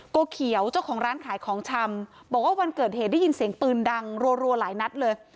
โกเขียวเจ้าของร้านขายของชำบอกว่าวันเกิดเหตุได้ยินเสียงปืนดังรัวหลายนัดเลย